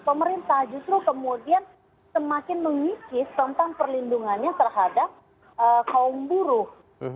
pemerintah justru kemudian semakin mengikis tentang perlindungannya terhadap kaum buruh